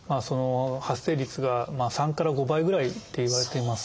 発生率が３から５倍ぐらいっていわれています。